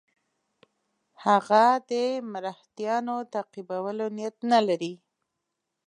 هغه د مرهټیانو تعقیبولو نیت نه لري.